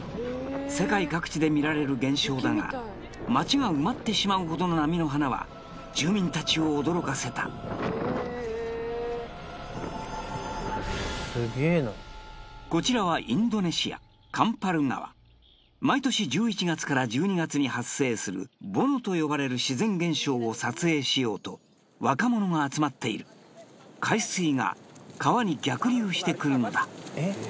世界各地で見られる現象だが町が埋まってしまうほどの波の花は住民達を驚かせたこちらはインドネシアカンパル川毎年１１月から１２月に発生するボノと呼ばれる自然現象を撮影しようと若者が集まっている海水が川に逆流してくるのだ